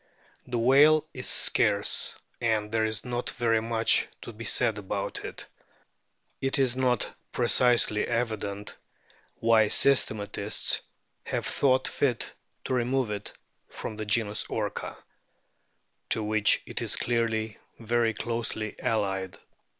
The whale is scarce, and there is not very much to be said about it. It is not precisely evident why systematists have thought fit to remove it from the genus Orca, to which it is clearly very closely allied.